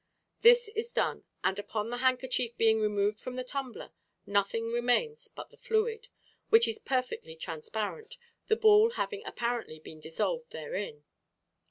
This is done, and, upon the handkerchief being removed from the tumbler, nothing remains but the fluid, which is perfectly transparent, the ball having apparently been dissolved therein.